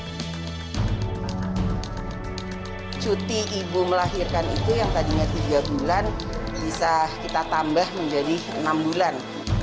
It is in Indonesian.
hai cuti ibu melahirkan itu yang tadinya tiga bulan bisa kita tambah menjadi enam bulan